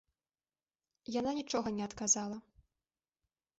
Яна нічога не адказала.